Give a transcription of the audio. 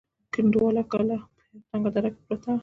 کنډواله کلا په یوه تنگه دره کې پرته وه.